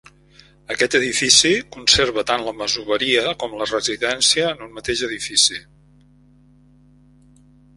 Aquest edifici conserva tant la masoveria com la residència en un mateix edifici.